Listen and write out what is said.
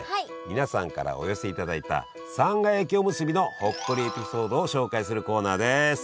皆さんからお寄せいただいたさんが焼きおむすびのほっこりエピソードを紹介するコーナーです！